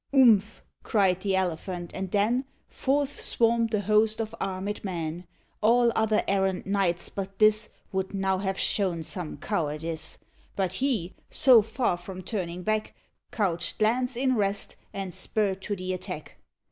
"Umph!" cried the elephant, and then Forth swarmed a host of armed men. All other errant knights but this Would now have shown some cowardice; But he, so far from turning back, Couched lance in rest, and spurred to the attack.